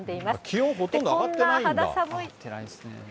気温、ほとんど上がってないんだ？